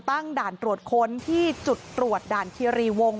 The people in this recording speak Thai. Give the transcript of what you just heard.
ตั้งด่านตรวจค้นที่จุดตรวจด่านคิรีวง